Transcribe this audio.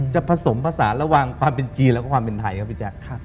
ผสมผสานระหว่างความเป็นจีนแล้วก็ความเป็นไทยครับพี่แจ๊ค